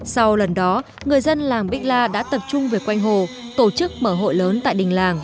sau lần đó người dân làng bích la đã tập trung về quanh hồ tổ chức mở hội lớn tại đỉnh làng